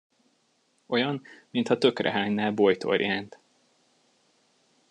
Olyan, mintha tökre hánynál bojtorjánt.